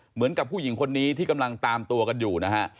เหมือนกับผู้หญิงคนนี้ที่กำลังตามตัวกันอยู่นะฮะ